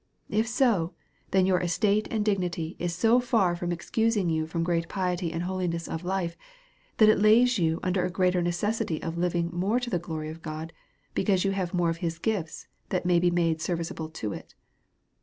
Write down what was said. If so, then your estate and dignity is so far from excusing you from great piety and holiness of life, that it lays you under a greater necessity of living more to the glory of God, because you have more of his gifts that may be made serviceable to it.